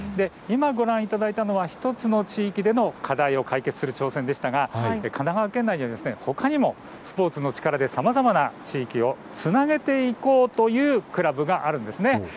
今ご覧いただいたのは１つの地域での課題を解決する挑戦でしたが神奈川県内にはほかにもスポーツの力でさまざまな地域をつなげていこうというクラブがあるんです。